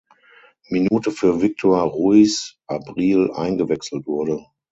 Minute für Victor Ruiz Abril eingewechselt wurde.